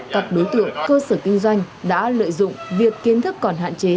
các đối tượng cơ sở kinh doanh đã lợi dụng việc kiến thức còn hạn chế